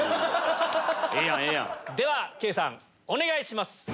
では圭さんお願いします。